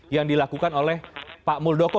yang dilakukan oleh pak muldoko